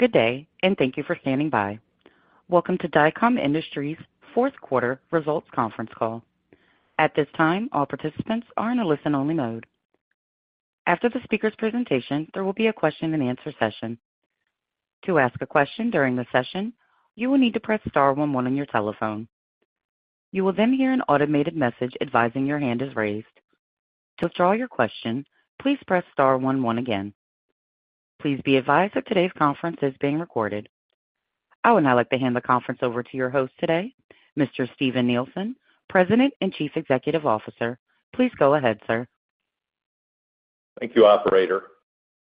Good day, and thank you for standing by. Welcome to Dycom Industries' fourth-quarter results conference call. At this time, all participants are in a listen-only mode. After the speaker's presentation, there will be a question-and-answer session. To ask a question during the session, you will need to press star 11 on your telephone. You will then hear an automated message advising your hand is raised. To withdraw your question, please press star 11 again. Please be advised that today's conference is being recorded. Now, I'd like to hand the conference over to your host today, Mr. Steven Nielsen, President and Chief Executive Officer. Please go ahead, sir. Thank you, Operator.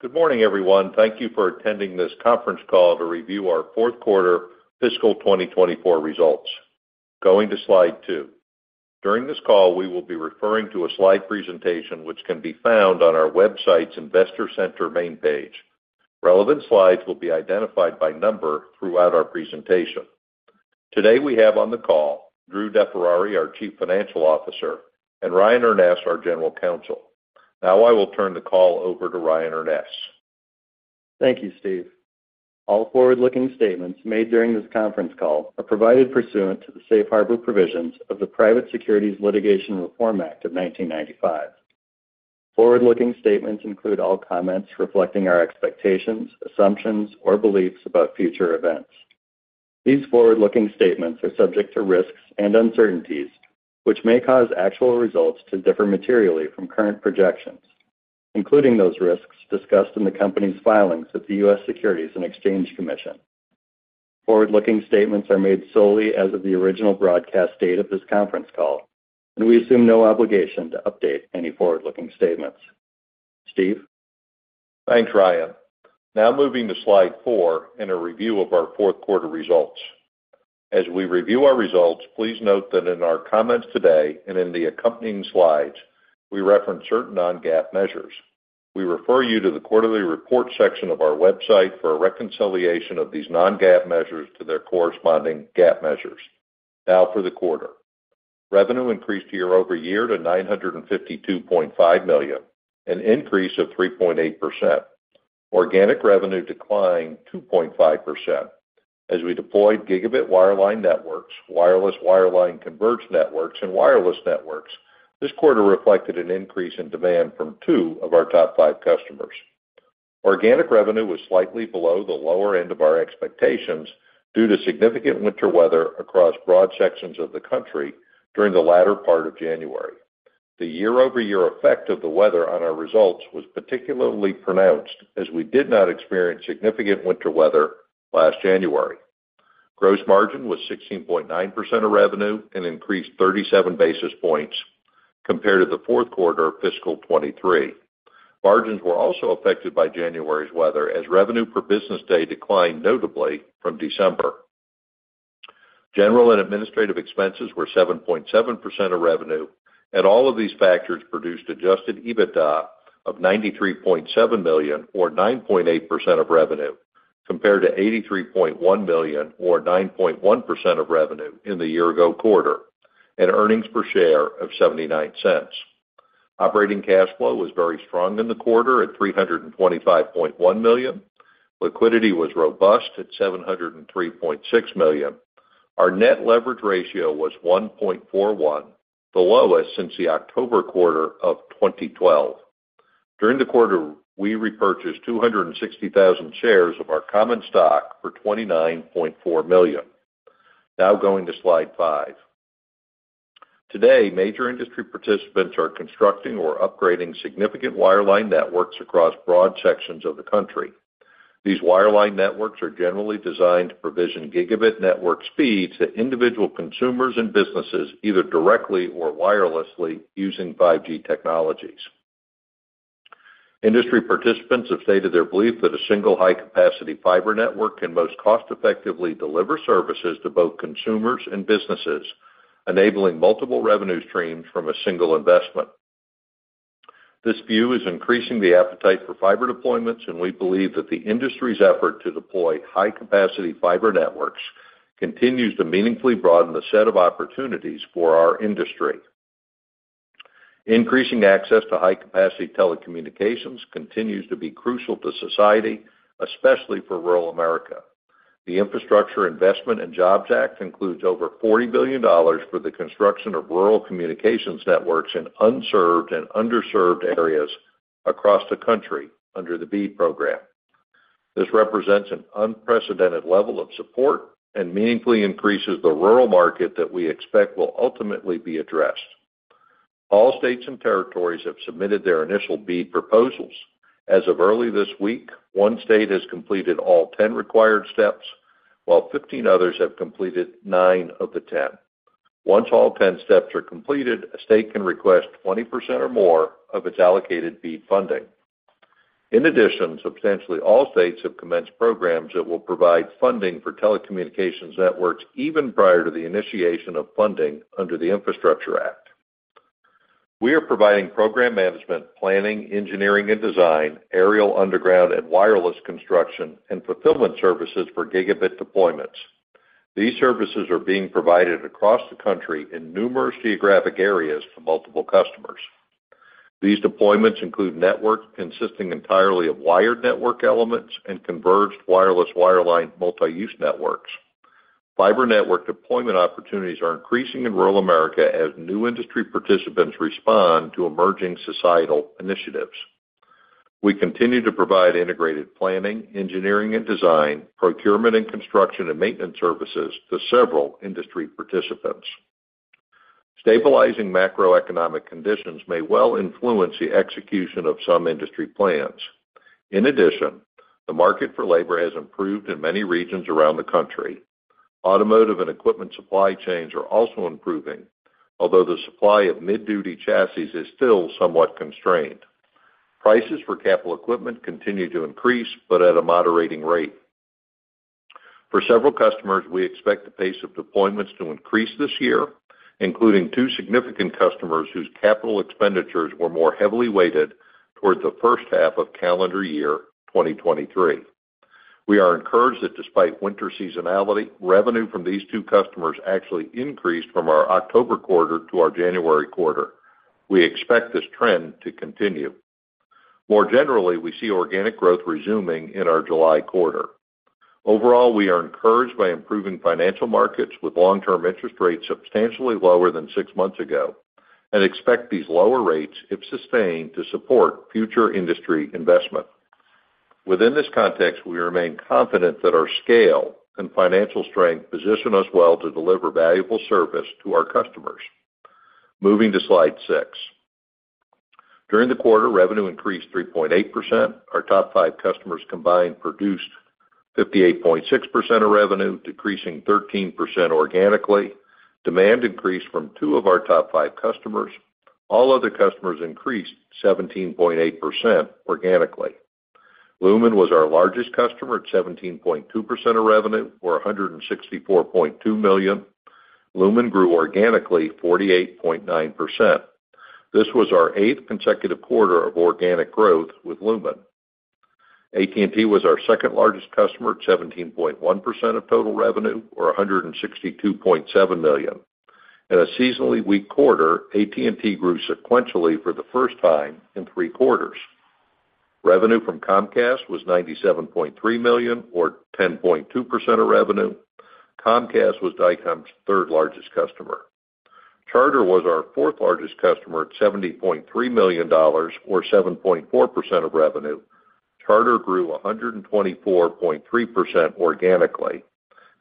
Good morning, everyone. Thank you for attending this conference call to review our fourth-quarter fiscal 2024 results. Going to slide 2. During this call, we will be referring to a slide presentation which can be found on our website's Investor Center main page. Relevant slides will be identified by number throughout our presentation. Today we have on the call Drew DeFerrari, our Chief Financial Officer, and Ryan Urness, our General Counsel. Now I will turn the call over to Ryan Urness. Thank you, Steve. All forward-looking statements made during this conference call are provided pursuant to the Safe Harbor provisions of the Private Securities Litigation Reform Act of 1995. Forward-looking statements include all comments reflecting our expectations, assumptions, or beliefs about future events. These forward-looking statements are subject to risks and uncertainties which may cause actual results to differ materially from current projections, including those risks discussed in the company's filings with the U.S. Securities and Exchange Commission. Forward-looking statements are made solely as of the original broadcast date of this conference call, and we assume no obligation to update any forward-looking statements. Steve? Thanks, Ryan. Now moving to slide four and a review of our fourth-quarter results. As we review our results, please note that in our comments today and in the accompanying slides, we reference certain non-GAAP measures. We refer you to the quarterly report section of our website for a reconciliation of these non-GAAP measures to their corresponding GAAP measures. Now for the quarter: revenue increased year-over-year to $952.5 million, an increase of 3.8%. Organic revenue declined 2.5%. As we deployed gigabit wireline networks, wireless wireline converged networks, and wireless networks, this quarter reflected an increase in demand from two of our top five customers. Organic revenue was slightly below the lower end of our expectations due to significant winter weather across broad sections of the country during the latter part of January. The year-over-year effect of the weather on our results was particularly pronounced as we did not experience significant winter weather last January. Gross margin was 16.9% of revenue and increased 37 basis points compared to the fourth-quarter fiscal 2023. Margins were also affected by January's weather as revenue per business day declined notably from December. General and administrative expenses were 7.7% of revenue, and all of these factors produced Adjusted EBITDA of $93.7 million, or 9.8% of revenue, compared to $83.1 million, or 9.1% of revenue in the year-ago quarter, and earnings per share of $0.79. Operating cash flow was very strong in the quarter at $325.1 million. Liquidity was robust at $703.6 million. Our Net Leverage Ratio was 1.41, the lowest since the October quarter of 2012. During the quarter, we repurchased 260,000 shares of our common stock for $29.4 million. Now going to slide 5. Today, major industry participants are constructing or upgrading significant wireline networks across broad sections of the country. These wireline networks are generally designed to provision gigabit network speeds to individual consumers and businesses either directly or wirelessly using 5G technologies. Industry participants have stated their belief that a single high-capacity fiber network can most cost-effectively deliver services to both consumers and businesses, enabling multiple revenue streams from a single investment. This view is increasing the appetite for fiber deployments, and we believe that the industry's effort to deploy high-capacity fiber networks continues to meaningfully broaden the set of opportunities for our industry. Increasing access to high-capacity telecommunications continues to be crucial to society, especially for rural America. The Infrastructure Investment and Jobs Act includes over $40 billion for the construction of rural communications networks in unserved and underserved areas across the country under the BEAD program. This represents an unprecedented level of support and meaningfully increases the rural market that we expect will ultimately be addressed. All states and territories have submitted their initial BEAD proposals. As of early this week, one state has completed all 10 required steps, while 15 others have completed 9 of the 10. Once all 10 steps are completed, a state can request 20% or more of its allocated BEAD funding. In addition, substantially all states have commenced programs that will provide funding for telecommunications networks even prior to the initiation of funding under the Infrastructure Act. We are providing program management, planning, engineering, and design, aerial, underground, and wireless construction, and fulfillment services for gigabit deployments. These services are being provided across the country in numerous geographic areas to multiple customers. These deployments include networks consisting entirely of wired network elements and converged wireless wireline multi-use networks. Fiber network deployment opportunities are increasing in rural America as new industry participants respond to emerging societal initiatives. We continue to provide integrated planning, engineering, and design, procurement and construction, and maintenance services to several industry participants. Stabilizing macroeconomic conditions may well influence the execution of some industry plans. In addition, the market for labor has improved in many regions around the country. Automotive and equipment supply chains are also improving, although the supply of mid-duty chassis is still somewhat constrained. Prices for capital equipment continue to increase but at a moderating rate. For several customers, we expect the pace of deployments to increase this year, including two significant customers whose capital expenditures were more heavily weighted toward the first half of calendar year 2023. We are encouraged that despite winter seasonality, revenue from these two customers actually increased from our October quarter to our January quarter. We expect this trend to continue. More generally, we see organic growth resuming in our July quarter. Overall, we are encouraged by improving financial markets with long-term interest rates substantially lower than six months ago and expect these lower rates, if sustained, to support future industry investment. Within this context, we remain confident that our scale and financial strength position us well to deliver valuable service to our customers. Moving to slide 6. During the quarter, revenue increased 3.8%. Our top five customers combined produced 58.6% of revenue, decreasing 13% organically. Demand increased from two of our top five customers. All other customers increased 17.8% organically. Lumen was our largest customer at 17.2% of revenue, or $164.2 million. Lumen grew organically 48.9%. This was our eighth consecutive quarter of organic growth with Lumen. AT&T was our second-largest customer at 17.1% of total revenue, or $162.7 million. In a seasonally weak quarter, AT&T grew sequentially for the first time in three quarters. Revenue from Comcast was $97.3 million, or 10.2% of revenue. Comcast was Dycom's third-largest customer. Charter was our fourth-largest customer at $70.3 million, or 7.4% of revenue. Charter grew 124.3% organically.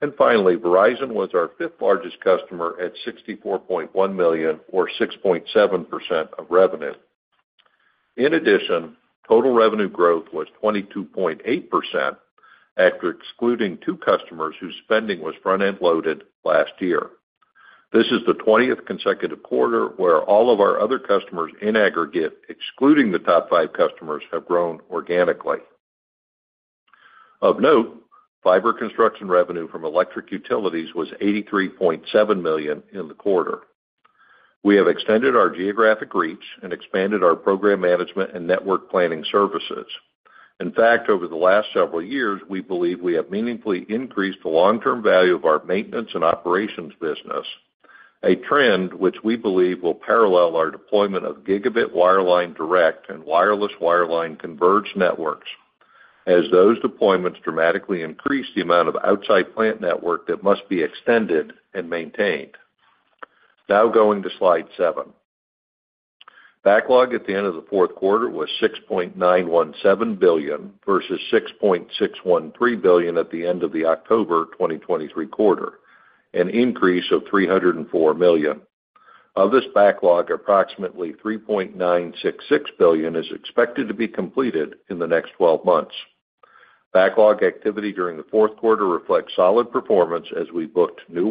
And finally, Verizon was our fifth-largest customer at $64.1 million, or 6.7% of revenue. In addition, total revenue growth was 22.8% after excluding two customers whose spending was front-end loaded last year. This is the 20th consecutive quarter where all of our other customers in aggregate, excluding the top five customers, have grown organically. Of note, fiber construction revenue from electric utilities was $83.7 million in the quarter. We have extended our geographic reach and expanded our program management and network planning services. In fact, over the last several years, we believe we have meaningfully increased the long-term value of our maintenance and operations business, a trend which we believe will parallel our deployment of gigabit wireline direct and wireless wireline converged networks as those deployments dramatically increase the amount of outside plant network that must be extended and maintained. Now going to slide 7. Backlog at the end of the fourth quarter was $6.917 billion versus $6.613 billion at the end of the October 2023 quarter, an increase of $304 million. Of this backlog, approximately $3.966 billion is expected to be completed in the next 12 months. Backlog activity during the fourth quarter reflects solid performance as we booked new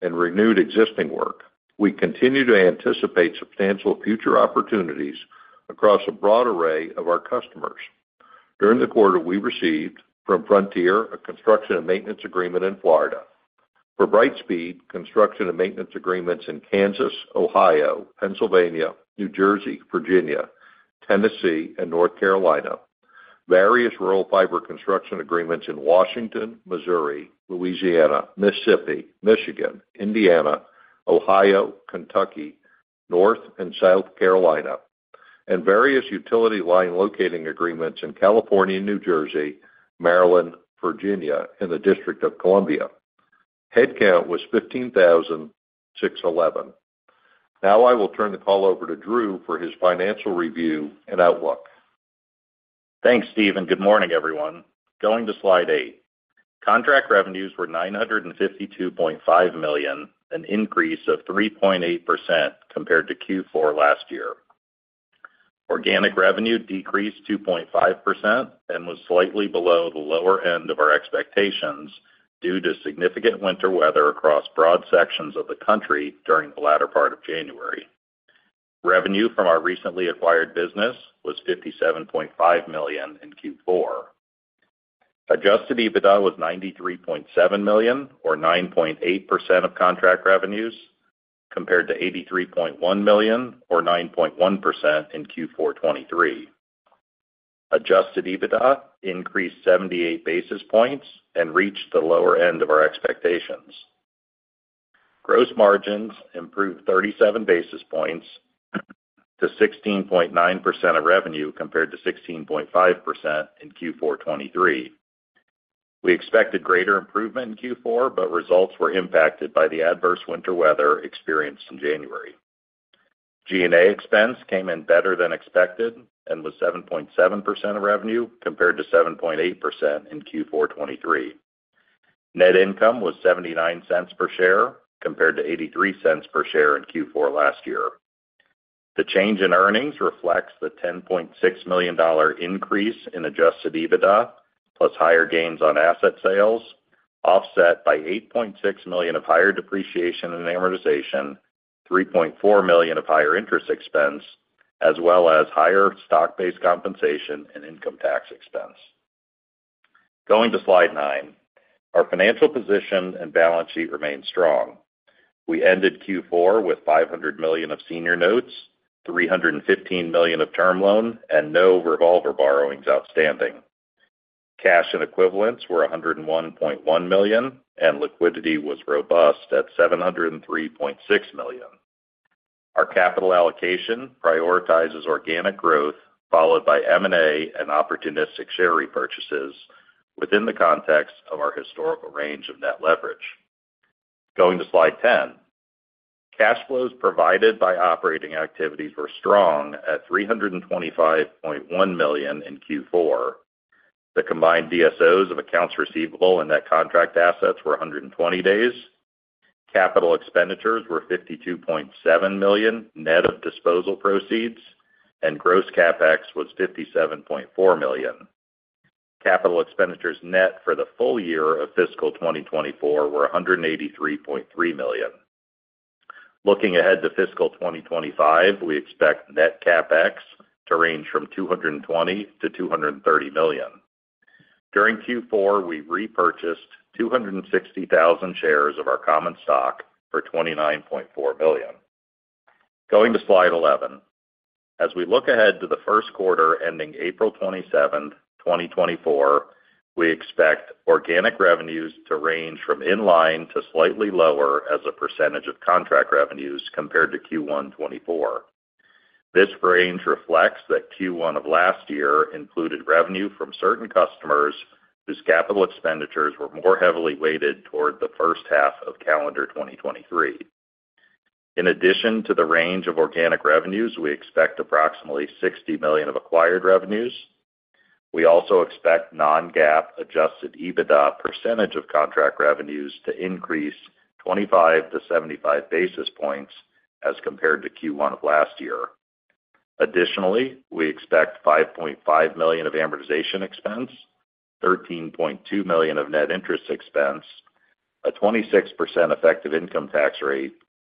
work and renewed existing work. We continue to anticipate substantial future opportunities across a broad array of our customers. During the quarter, we received from Frontier a construction and maintenance agreement in Florida. For Brightspeed, construction and maintenance agreements in Kansas, Ohio, Pennsylvania, New Jersey, Virginia, Tennessee, and North Carolina. Various rural fiber construction agreements in Washington, Missouri, Louisiana, Mississippi, Michigan, Indiana, Ohio, Kentucky, North and South Carolina. Various utility line locating agreements in California, New Jersey, Maryland, Virginia, and the District of Columbia. Headcount was 15,611. Now I will turn the call over to Drew for his financial review and outlook. Thanks, Steve. And good morning, everyone. Going to slide 8. Contract revenues were $952.5 million, an increase of 3.8% compared to Q4 last year. Organic revenue decreased 2.5% and was slightly below the lower end of our expectations due to significant winter weather across broad sections of the country during the latter part of January. Revenue from our recently acquired business was $57.5 million in Q4. Adjusted EBITDA was $93.7 million, or 9.8% of contract revenues compared to $83.1 million, or 9.1% in Q4 2023. Adjusted EBITDA increased 78 basis points and reached the lower end of our expectations. Gross margins improved 37 basis points to 16.9% of revenue compared to 16.5% in Q4 2023. We expected greater improvement in Q4, but results were impacted by the adverse winter weather experienced in January. G&A expense came in better than expected and was 7.7% of revenue compared to 7.8% in Q4 2023. Net income was $0.79 per share compared to $0.83 per share in Q4 last year. The change in earnings reflects the $10.6 million increase in Adjusted EBITDA plus higher gains on asset sales, offset by $8.6 million of higher depreciation and amortization, $3.4 million of higher interest expense, as well as higher stock-based compensation and income tax expense. Going to slide 9. Our financial position and balance sheet remained strong. We ended Q4 with $500 million of senior notes, $315 million of term loan, and no revolver borrowings outstanding. Cash and equivalents were $101.1 million, and liquidity was robust at $703.6 million. Our capital allocation prioritizes organic growth followed by M&A and opportunistic share repurchases within the context of our historical range of net leverage. Going to slide 10. Cash flows provided by operating activities were strong at $325.1 million in Q4. The combined DSOs of accounts receivable and net contract assets were 120 days. Capital expenditures were $52.7 million net of disposal proceeds, and gross CapEx was $57.4 million. Capital expenditures net for the full year of fiscal 2024 were $183.3 million. Looking ahead to fiscal 2025, we expect net CapEx to range from $220-$230 million. During Q4, we repurchased 260,000 shares of our common stock for $29.4 million. Going to slide 11. As we look ahead to the first quarter ending April 27, 2024, we expect organic revenues to range from in-line to slightly lower as a percentage of contract revenues compared to Q1 '24. This range reflects that Q1 of last year included revenue from certain customers whose capital expenditures were more heavily weighted toward the first half of calendar 2023. In addition to the range of organic revenues, we expect approximately $60 million of acquired revenues. We also expect non-GAAP adjusted EBITDA percentage of contract revenues to increase 25-75 basis points as compared to Q1 of last year. Additionally, we expect $5.5 million of amortization expense, $13.2 million of net interest expense, a 26% effective income tax rate,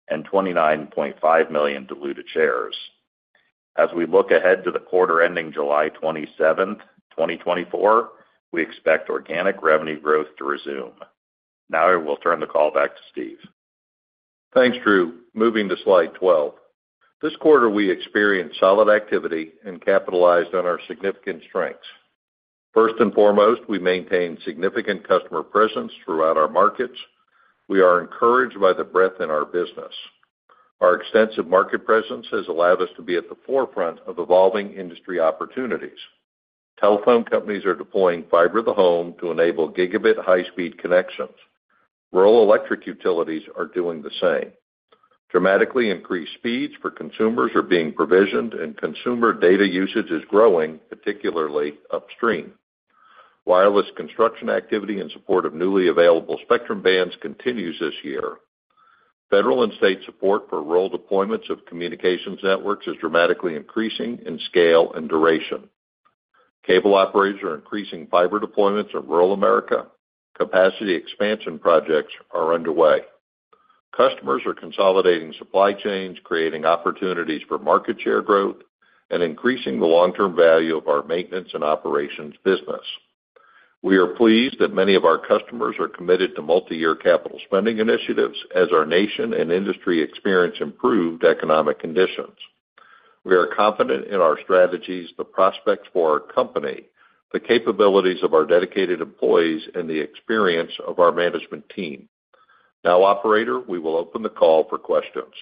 and $29.5 million diluted shares. As we look ahead to the quarter ending July 27, 2024, we expect organic revenue growth to resume. Now I will turn the call back to Steve. Thanks, Drew. Moving to slide 12. This quarter, we experienced solid activity and capitalized on our significant strengths. First and foremost, we maintained significant customer presence throughout our markets. We are encouraged by the breadth in our business. Our extensive market presence has allowed us to be at the forefront of evolving industry opportunities. Telephone companies are deploying fiber to home to enable gigabit high-speed connections. Rural electric utilities are doing the same. Dramatically increased speeds for consumers are being provisioned, and consumer data usage is growing, particularly upstream. Wireless construction activity in support of newly available spectrum bands continues this year. Federal and state support for rural deployments of communications networks is dramatically increasing in scale and duration. Cable operators are increasing fiber deployments in rural America. Capacity expansion projects are underway. Customers are consolidating supply chains, creating opportunities for market share growth, and increasing the long-term value of our maintenance and operations business. We are pleased that many of our customers are committed to multi-year capital spending initiatives as our nation and industry experience improved economic conditions. We are confident in our strategies, the prospects for our company, the capabilities of our dedicated employees, and the experience of our management team. Now, operator, we will open the call for questions.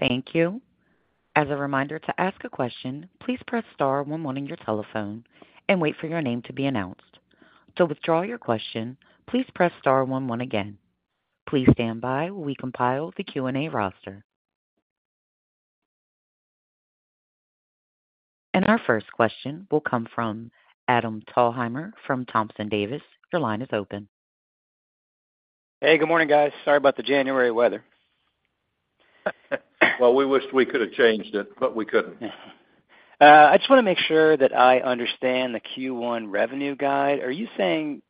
Thank you. As a reminder to ask a question, please press star 11 on your telephone and wait for your name to be announced. To withdraw your question, please press star 11 again. Please stand by while we compile the Q&A roster. Our first question will come from Adam Thalhimer from Thompson Davis. Your line is open. Hey, good morning, guys. Sorry about the January weather. Well, we wished we could have changed it, but we couldn't. I just want to make sure that I understand the Q1 revenue guide. Are you saying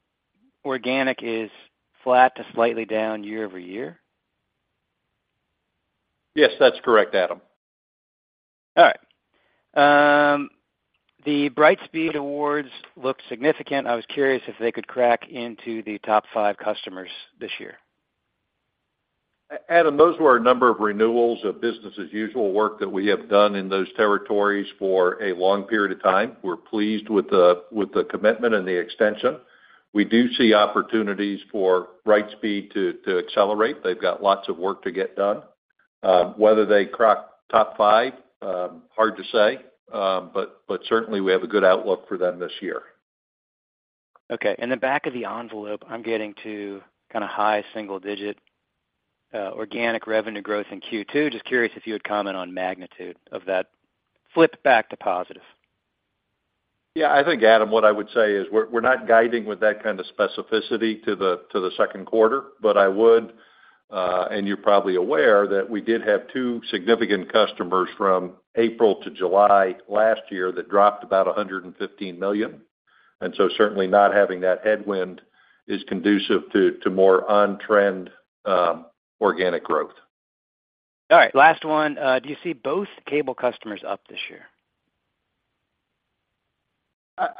organic is flat to slightly down year over year? Yes, that's correct, Adam. All right. The Brightspeed Awards look significant. I was curious if they could crack into the top five customers this year. Adam, those were a number of renewals of business-as-usual work that we have done in those territories for a long period of time. We're pleased with the commitment and the extension. We do see opportunities for Brightspeed to accelerate. They've got lots of work to get done. Whether they crack top five, hard to say, but certainly we have a good outlook for them this year. Okay. In the back of the envelope, I'm getting to kind of high single-digit organic revenue growth in Q2. Just curious if you would comment on magnitude of that flip back to positive? Yeah, I think, Adam, what I would say is we're not guiding with that kind of specificity to the second quarter, but I would, and you're probably aware, that we did have two significant customers from April to July last year that dropped about $115 million. And so certainly not having that headwind is conducive to more on-trend organic growth. All right. Last one. Do you see both cable customers up this year?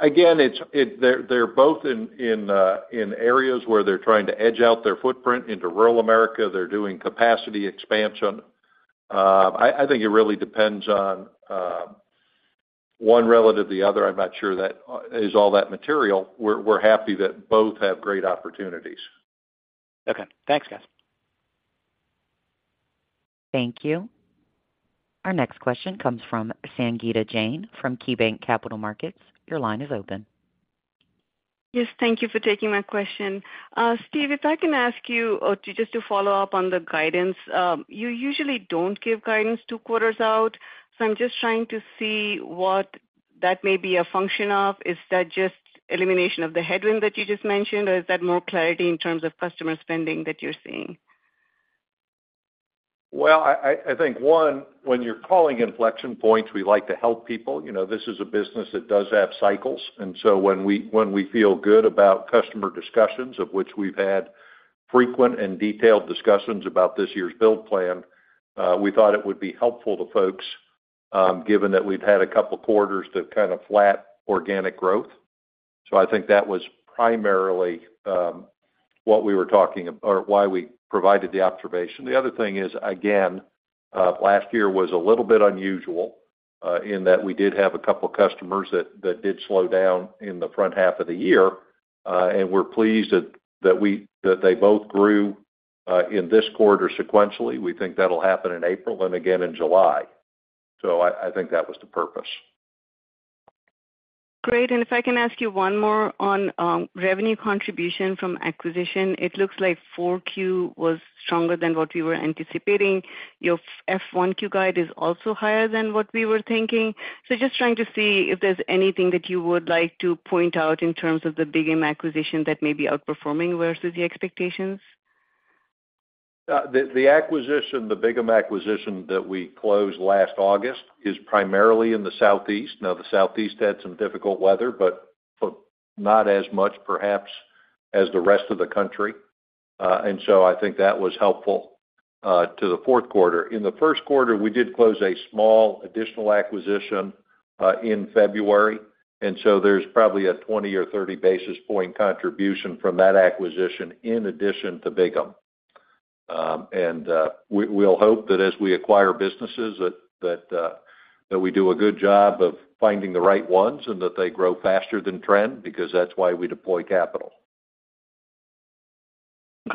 Again, they're both in areas where they're trying to edge out their footprint into rural America. They're doing capacity expansion. I think it really depends on one relative to the other. I'm not sure that is all that material. We're happy that both have great opportunities. Okay. Thanks, guys. Thank you. Our next question comes from Sangita Jain from KeyBanc Capital Markets. Your line is open. Yes, thank you for taking my question. Steve, if I can ask you just to follow up on the guidance, you usually don't give guidance two quarters out. So I'm just trying to see what that may be a function of. Is that just elimination of the headwind that you just mentioned, or is that more clarity in terms of customer spending that you're seeing? Well, I think, one, when you're calling inflection points, we like to help people. This is a business that does have cycles. And so when we feel good about customer discussions, of which we've had frequent and detailed discussions about this year's build plan, we thought it would be helpful to folks given that we'd had a couple of quarters to kind of flat organic growth. So I think that was primarily what we were talking or why we provided the observation. The other thing is, again, last year was a little bit unusual in that we did have a couple of customers that did slow down in the front half of the year. And we're pleased that they both grew in this quarter sequentially. We think that'll happen in April and again in July. So I think that was the purpose. Great. And if I can ask you one more on revenue contribution from acquisition, it looks like 4Q was stronger than what we were anticipating. Your F1Q guide is also higher than what we were thinking. So just trying to see if there's anything that you would like to point out in terms of the Bigham acquisition that may be outperforming versus the expectations. The Bigham acquisition that we closed last August is primarily in the Southeast. Now, the Southeast had some difficult weather, but not as much, perhaps, as the rest of the country. And so I think that was helpful to the fourth quarter. In the first quarter, we did close a small additional acquisition in February. And so there's probably a 20 or 30 basis point contribution from that acquisition in addition to Bigham. And we'll hope that as we acquire businesses, that we do a good job of finding the right ones and that they grow faster than trend because that's why we deploy capital.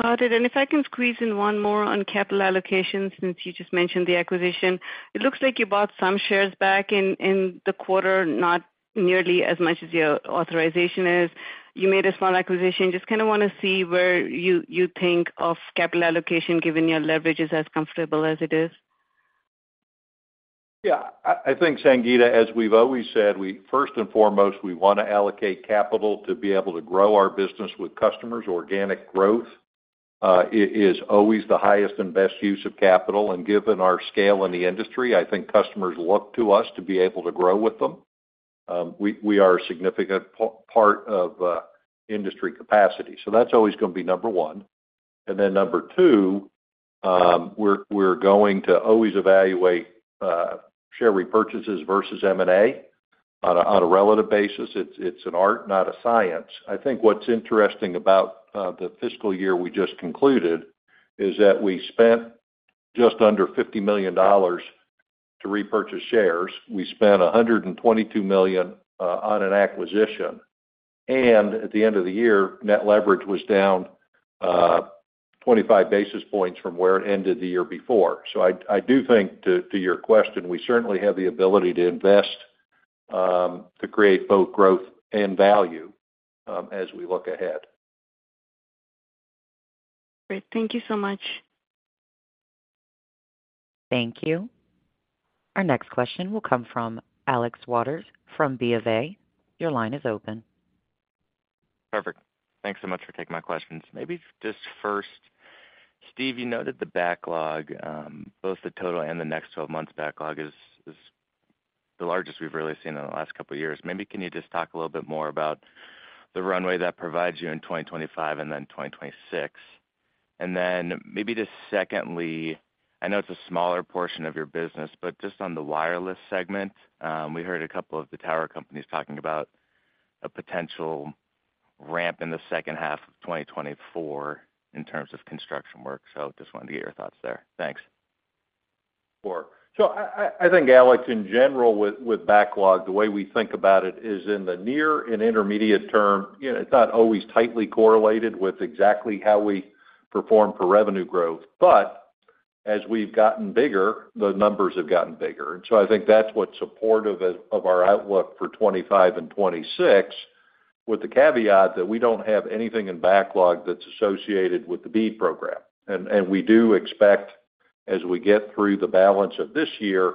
Got it. And if I can squeeze in one more on capital allocation since you just mentioned the acquisition, it looks like you bought some shares back in the quarter, not nearly as much as your authorization is. You made a small acquisition. Just kind of want to see where you think of capital allocation given your leverage is as comfortable as it is? Yeah. I think, Sangita, as we've always said, first and foremost, we want to allocate capital to be able to grow our business with customers. Organic growth is always the highest and best use of capital. And given our scale in the industry, I think customers look to us to be able to grow with them. We are a significant part of industry capacity. So that's always going to be number one. And then number two, we're going to always evaluate share repurchases versus M&A on a relative basis. It's an art, not a science. I think what's interesting about the fiscal year we just concluded is that we spent just under $50 million to repurchase shares. We spent $122 million on an acquisition. And at the end of the year, net leverage was down 25 basis points from where it ended the year before. I do think, to your question, we certainly have the ability to invest to create both growth and value as we look ahead. Great. Thank you so much. Thank you. Our next question will come from Alex Wyllie from B. of A. Your line is open. Perfect. Thanks so much for taking my questions. Maybe just first, Steve, you noted the backlog, both the total and the next 12 months backlog is the largest we've really seen in the last couple of years. Maybe can you just talk a little bit more about the runway that provides you in 2025 and then 2026? And then maybe just secondly, I know it's a smaller portion of your business, but just on the wireless segment, we heard a couple of the tower companies talking about a potential ramp in the second half of 2024 in terms of construction work. So just wanted to get your thoughts there. Thanks. Sure. So I think, Alex, in general, with backlog, the way we think about it is in the near and intermediate term, it's not always tightly correlated with exactly how we perform per revenue growth. But as we've gotten bigger, the numbers have gotten bigger. And so I think that's what's supportive of our outlook for 2025 and 2026 with the caveat that we don't have anything in backlog that's associated with the BEAD program. And we do expect, as we get through the balance of this year,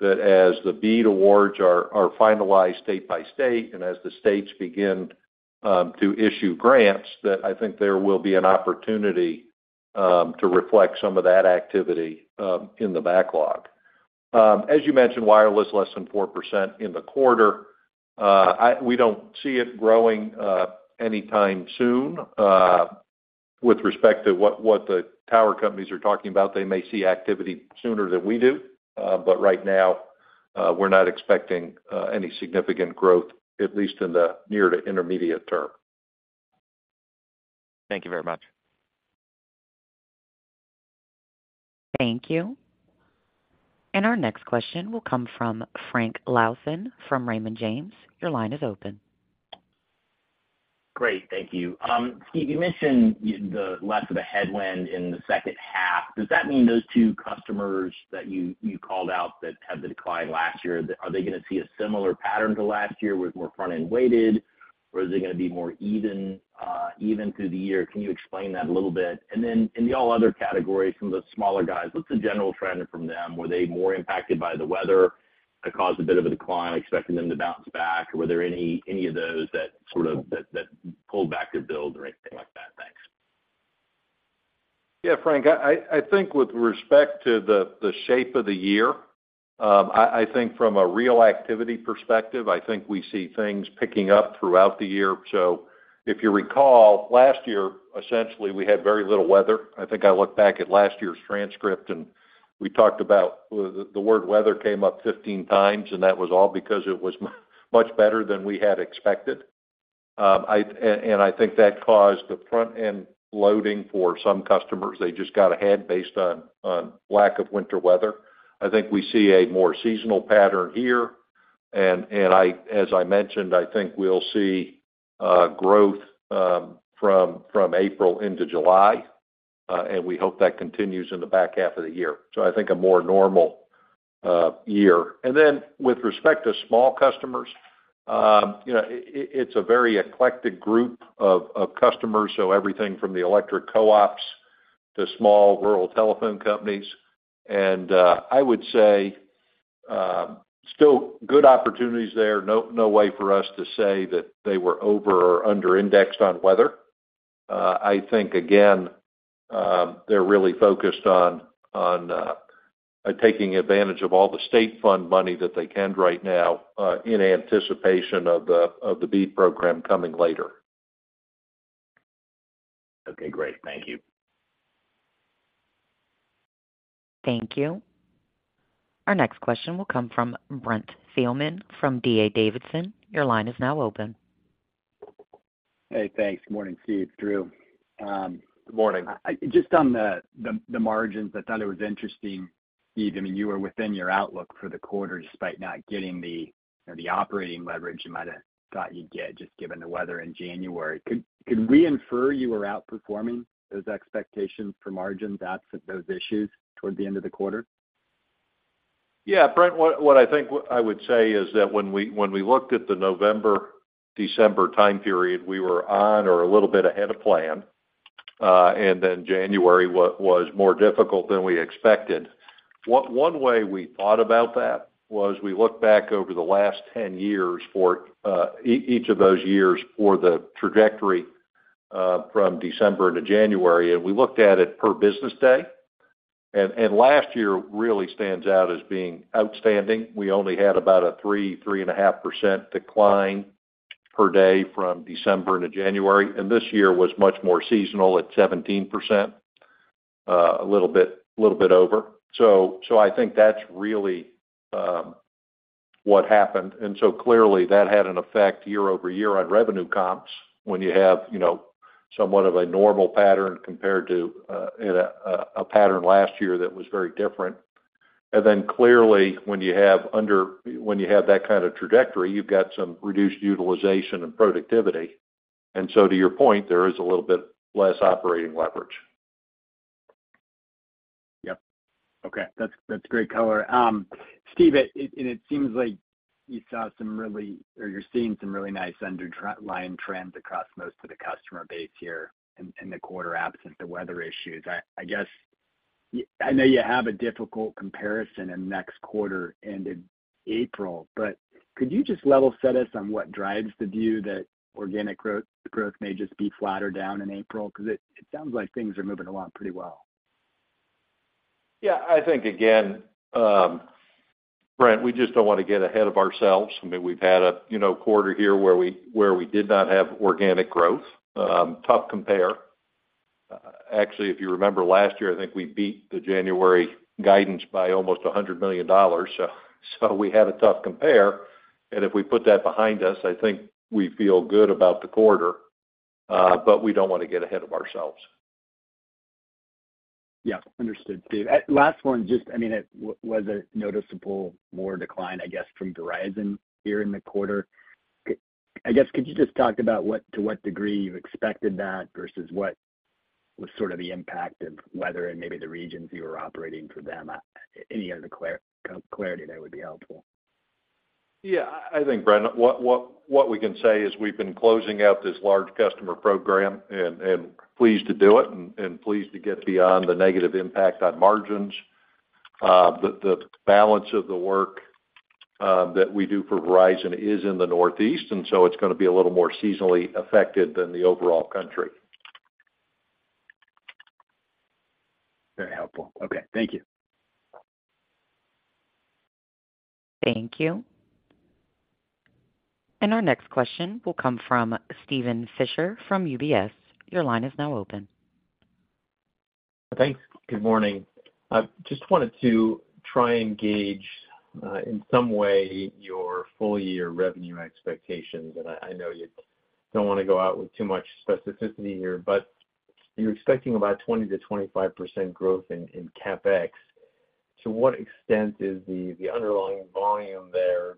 that as the BEAD awards are finalized state by state and as the states begin to issue grants, that I think there will be an opportunity to reflect some of that activity in the backlog. As you mentioned, wireless less than 4% in the quarter. We don't see it growing anytime soon. With respect to what the tower companies are talking about, they may see activity sooner than we do. But right now, we're not expecting any significant growth, at least in the near to intermediate term. Thank you very much. Thank you. Our next question will come from Frank Louthan from Raymond James. Your line is open. Great. Thank you. Steve, you mentioned the lack of a headwind in the second half. Does that mean those two customers that you called out that had the decline last year, are they going to see a similar pattern to last year with more front-end weighted, or is it going to be more even through the year? Can you explain that a little bit? In the all other categories, some of the smaller guys, what's the general trend from them? Were they more impacted by the weather that caused a bit of a decline expecting them to bounce back, or were there any of those that sort of pulled back their builds or anything like that? Thanks. Yeah, Frank. I think with respect to the shape of the year, I think from a real activity perspective, I think we see things picking up throughout the year. So if you recall, last year, essentially, we had very little weather. I think I looked back at last year's transcript, and we talked about the word weather came up 15 times, and that was all because it was much better than we had expected. And I think that caused the front-end loading for some customers. They just got ahead based on lack of winter weather. I think we see a more seasonal pattern here. And as I mentioned, I think we'll see growth from April into July. And we hope that continues in the back half of the year. So I think a more normal year. And then with respect to small customers, it's a very eclectic group of customers. So everything from the electric co-ops to small rural telephone companies. And I would say still good opportunities there. No way for us to say that they were over or under-indexed on weather. I think, again, they're really focused on taking advantage of all the state fund money that they can right now in anticipation of the BEAD Program coming later. Okay. Great. Thank you. Thank you. Our next question will come from Brent Thielman from D.A. Davidson. Your line is now open. Hey, thanks. Good morning, Steve. Drew. Good morning. Just on the margins, I thought it was interesting, Steve. I mean, you were within your outlook for the quarter despite not getting the operating leverage you might have thought you'd get just given the weather in January. Could we infer you were outperforming those expectations for margins absent those issues toward the end of the quarter? Yeah. Brent, what I think I would say is that when we looked at the November, December time period, we were on or a little bit ahead of plan. And then January was more difficult than we expected. One way we thought about that was we looked back over the last 10 years, each of those years, for the trajectory from December to January, and we looked at it per business day. And last year really stands out as being outstanding. We only had about a 3, 3.5% decline per day from December to January. And this year was much more seasonal at 17%, a little bit over. So I think that's really what happened. And so clearly, that had an effect year-over-year on revenue comps when you have somewhat of a normal pattern compared to a pattern last year that was very different. And then clearly, when you have that kind of trajectory, you've got some reduced utilization and productivity. And so to your point, there is a little bit less operating leverage. Yep. Okay. That's great color, Steve, and it seems like you saw some really or you're seeing some really nice underlying trends across most of the customer base here in the quarter absent the weather issues. I know you have a difficult comparison in next quarter ended April, but could you just level set us on what drives the view that organic growth may just be flatter down in April? Because it sounds like things are moving along pretty well. Yeah. I think, again, Brent, we just don't want to get ahead of ourselves. I mean, we've had a quarter here where we did not have organic growth. Tough compare. Actually, if you remember last year, I think we beat the January guidance by almost $100 million. So we had a tough compare. And if we put that behind us, I think we feel good about the quarter. But we don't want to get ahead of ourselves. Yep. Understood, Steve. Last one, just I mean, was a noticeable more decline, I guess, from Verizon here in the quarter? I guess, could you just talk about to what degree you expected that versus what was sort of the impact of weather and maybe the regions you were operating for them? Any other clarity there would be helpful. Yeah. I think, Brent, what we can say is we've been closing out this large customer program and pleased to do it and pleased to get beyond the negative impact on margins. The balance of the work that we do for Verizon is in the Northeast, and so it's going to be a little more seasonally affected than the overall country. Very helpful. Okay. Thank you. Thank you. Our next question will come from Steven Fisher from UBS. Your line is now open. Thanks. Good morning. I just wanted to try and gauge in some way your full-year revenue expectations. I know you don't want to go out with too much specificity here, but you're expecting about 20%-25% growth in CapEx. To what extent is the underlying volume there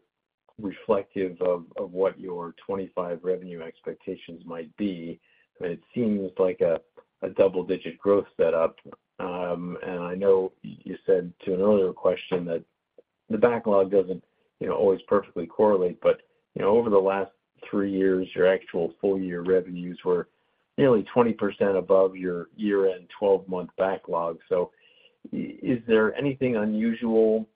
reflective of what your 25% revenue expectations might be? I mean, it seems like a double-digit growth setup. I know you said to an earlier question that the backlog doesn't always perfectly correlate, but over the last three years, your actual full-year revenues were nearly 20% above your year-end 12-month backlog. So is there anything unusual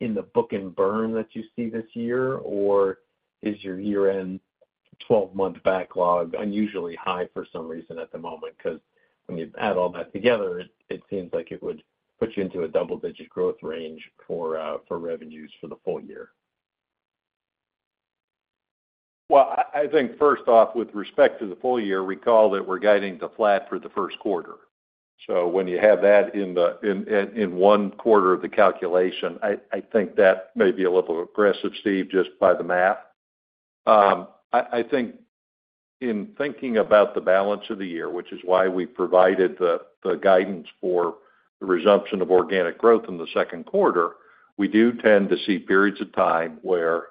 in the book and burn that you see this year, or is your year-end 12-month backlog unusually high for some reason at the moment? Because when you add all that together, it seems like it would put you into a double-digit growth range for revenues for the full year. Well, I think first off, with respect to the full year, recall that we're guiding to flat for the first quarter. So when you have that in one quarter of the calculation, I think that may be a little aggressive, Steve, just by the math. I think in thinking about the balance of the year, which is why we provided the guidance for the resumption of organic growth in the second quarter, we do tend to see periods of time where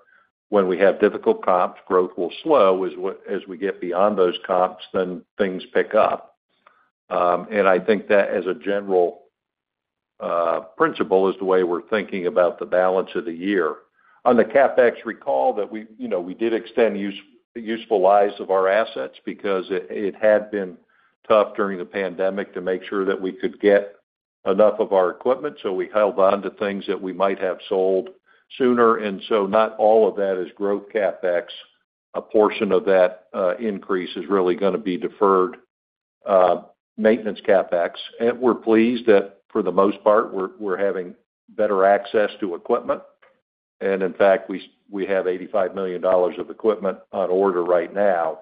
when we have difficult comps, growth will slow. As we get beyond those comps, then things pick up. And I think that as a general principle is the way we're thinking about the balance of the year. On the CapEx, recall that we did extend useful lives of our assets because it had been tough during the pandemic to make sure that we could get enough of our equipment. So we held on to things that we might have sold sooner. And so not all of that is growth CapEx. A portion of that increase is really going to be deferred maintenance CapEx. We're pleased that for the most part, we're having better access to equipment. And in fact, we have $85 million of equipment on order right now.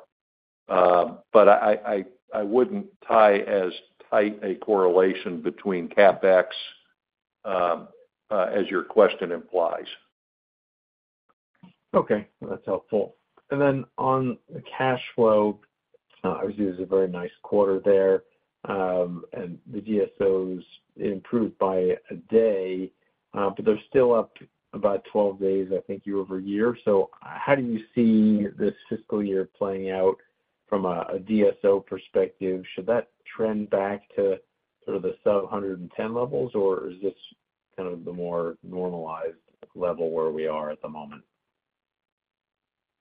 But I wouldn't tie as tight a correlation between CapEx as your question implies. Okay. That's helpful. And then on the cash flow, obviously, it was a very nice quarter there. And the DSOs, it improved by a day, but they're still up about 12 days, I think, year-over-year. So how do you see this fiscal year playing out from a DSO perspective? Should that trend back to sort of the sub-110 levels, or is this kind of the more normalized level where we are at the moment?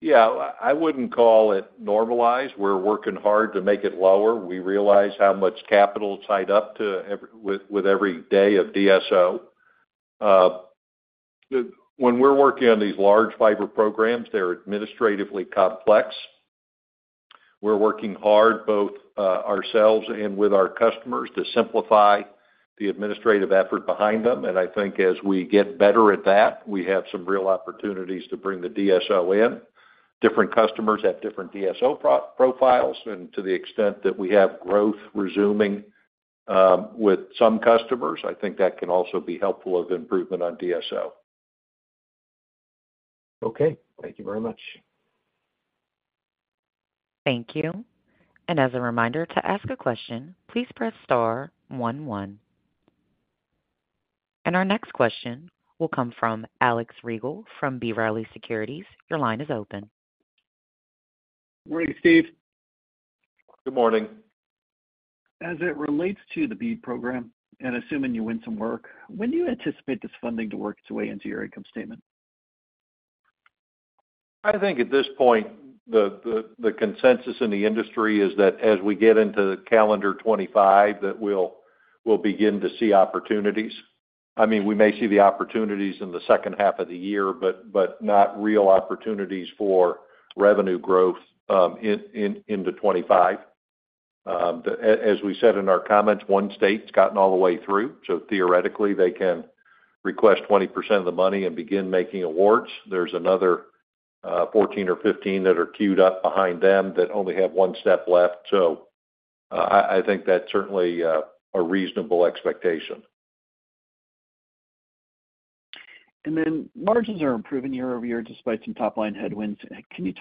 Yeah. I wouldn't call it normalized. We're working hard to make it lower. We realize how much capital tied up with every day of DSO. When we're working on these large fiber programs, they're administratively complex. We're working hard both ourselves and with our customers to simplify the administrative effort behind them. And I think as we get better at that, we have some real opportunities to bring the DSO in. Different customers have different DSO profiles. And to the extent that we have growth resuming with some customers, I think that can also be helpful of improvement on DSO. Okay. Thank you very much. Thank you. And as a reminder, to ask a question, please press star 11. And our next question will come from Alex Rygiel from B. Riley Securities. Your line is open. Morning, Steve. Good morning. As it relates to the BEAD Program, and assuming you win some work, when do you anticipate this funding to work its way into your income statement? I think at this point, the consensus in the industry is that as we get into calendar 2025, that we'll begin to see opportunities. I mean, we may see the opportunities in the second half of the year, but not real opportunities for revenue growth into 2025. As we said in our comments, one state's gotten all the way through. So theoretically, they can request 20% of the money and begin making awards. There's another 14 or 15 that are queued up behind them that only have one step left. So I think that's certainly a reasonable expectation. And then margins are improving year-over-year despite some top-line headwinds. Can you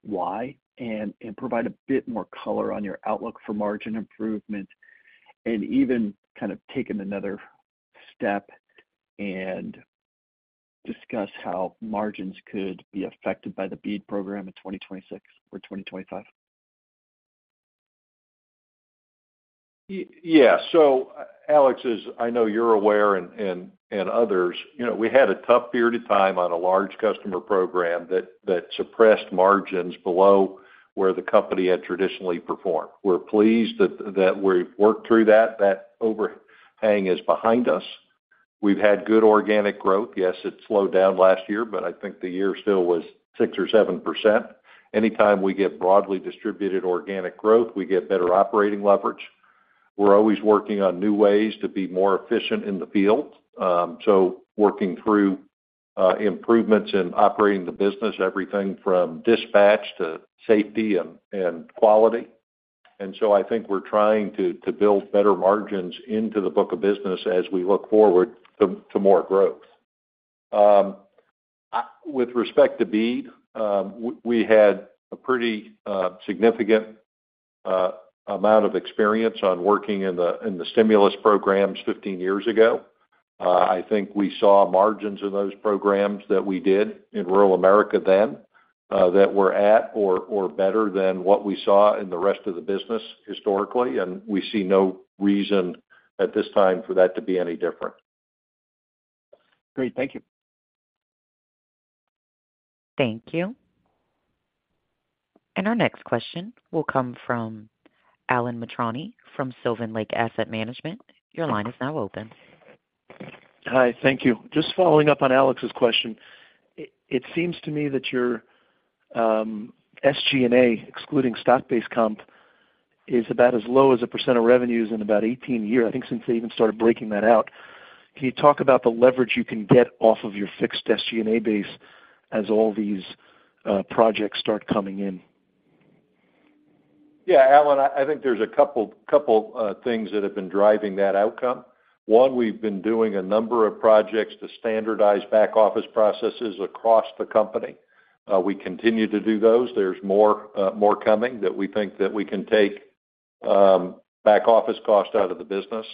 talk about why and provide a bit more color on your outlook for margin improvement and even kind of take another step and discuss how margins could be affected by the BEAD Program in 2026 or 2025? Yeah. So Alex, as I know you're aware and others, we had a tough period of time on a large customer program that suppressed margins below where the company had traditionally performed. We're pleased that we've worked through that. That overhang is behind us. We've had good organic growth. Yes, it slowed down last year, but I think the year still was 6%-7%. Anytime we get broadly distributed organic growth, we get better operating leverage. We're always working on new ways to be more efficient in the field. So working through improvements in operating the business, everything from dispatch to safety and quality. And so I think we're trying to build better margins into the book of business as we look forward to more growth. With respect to BEAD, we had a pretty significant amount of experience on working in the stimulus programs 15 years ago. I think we saw margins in those programs that we did in rural America then that were at or better than what we saw in the rest of the business historically. We see no reason at this time for that to be any different. Great. Thank you. Thank you. Our next question will come from Alan Mitrani from Sylvan Lake Asset Management. Your line is now open. Hi. Thank you. Just following up on Alex's question, it seems to me that your SG&A, excluding stock-based comp, is about as low as a percent of revenues in about 18 years, I think since they even started breaking that out. Can you talk about the leverage you can get off of your fixed SG&A base as all these projects start coming in? Yeah. Alan, I think there's a couple of things that have been driving that outcome. One, we've been doing a number of projects to standardize back-office processes across the company. We continue to do those. There's more coming that we think that we can take back-office cost out of the business.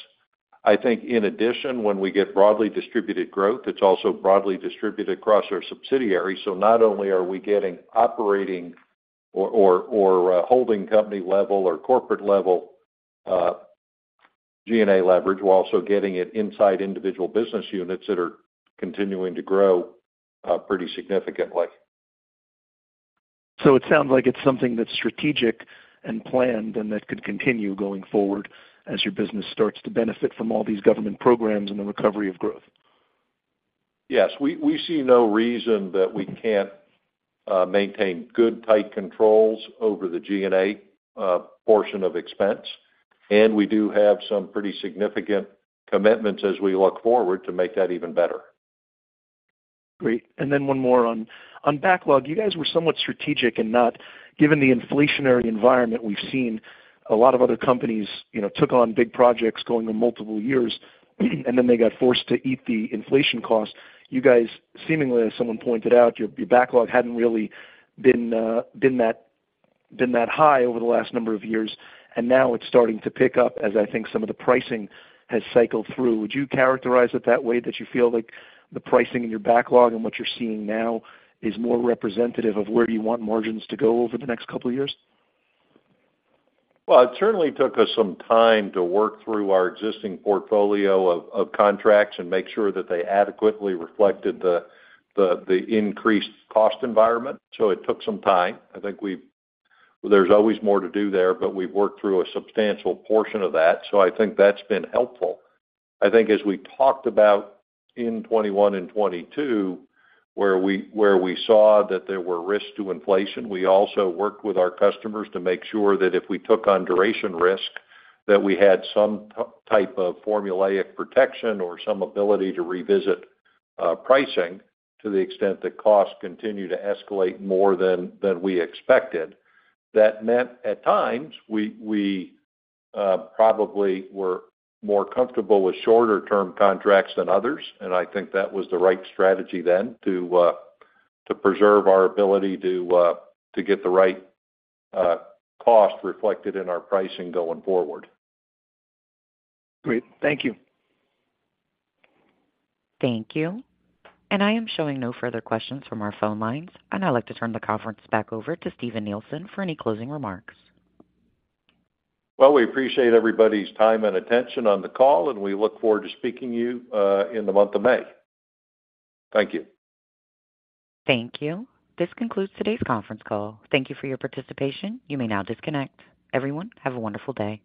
I think in addition, when we get broadly distributed growth, it's also broadly distributed across our subsidiary. So not only are we getting operating or holding company level or corporate level G&A leverage, we're also getting it inside individual business units that are continuing to grow pretty significantly. It sounds like it's something that's strategic and planned and that could continue going forward as your business starts to benefit from all these government programs and the recovery of growth. Yes. We see no reason that we can't maintain good tight controls over the G&A portion of expense. We do have some pretty significant commitments as we look forward to make that even better. Great. And then one more on backlog. You guys were somewhat strategic in that given the inflationary environment we've seen, a lot of other companies took on big projects going on multiple years, and then they got forced to eat the inflation cost. You guys, seemingly, as someone pointed out, your backlog hadn't really been that high over the last number of years. And now it's starting to pick up as I think some of the pricing has cycled through. Would you characterize it that way, that you feel like the pricing in your backlog and what you're seeing now is more representative of where you want margins to go over the next couple of years? Well, it certainly took us some time to work through our existing portfolio of contracts and make sure that they adequately reflected the increased cost environment. So it took some time. I think there's always more to do there, but we've worked through a substantial portion of that. So I think that's been helpful. I think as we talked about in 2021 and 2022 where we saw that there were risks to inflation, we also worked with our customers to make sure that if we took on duration risk, that we had some type of formulaic protection or some ability to revisit pricing to the extent that costs continue to escalate more than we expected. That meant at times, we probably were more comfortable with shorter-term contracts than others. I think that was the right strategy then to preserve our ability to get the right cost reflected in our pricing going forward. Great. Thank you. Thank you. And I am showing no further questions from our phone lines. And I'd like to turn the conference back over to Steven Nielsen for any closing remarks. Well, we appreciate everybody's time and attention on the call, and we look forward to speaking to you in the month of May. Thank you. Thank you. This concludes today's conference call. Thank you for your participation. You may now disconnect. Everyone, have a wonderful day.